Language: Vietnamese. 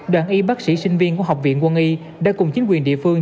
đoàn y bác sĩ sinh viên của học viện quân y đã cùng chính quyền địa phương